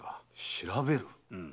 調べる？